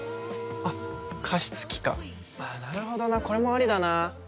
あっ加湿器かなるほどなこれもありだな。